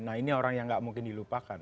nah ini orang yang gak mungkin dilupakan